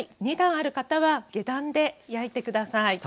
２段ある方は下段で焼いて下さい。